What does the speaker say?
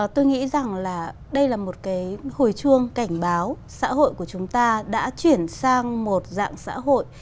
tôi nghĩ rằng là đây là một cái hồi chuông cảnh báo xã hội của chúng ta đã chuyển sang một dạng xã hội